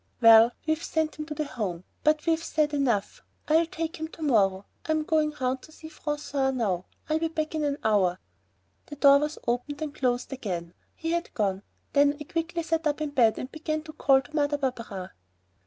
"Well, we've sent him to the Home. But we've said enough. I'll take him to morrow. I'm going 'round to see François now. I'll be back in an hour." The door was opened and closed again. He had gone. Then I quickly sat up in bed and began to call to Mother Barberin.